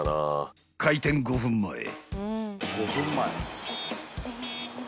［開店５分前］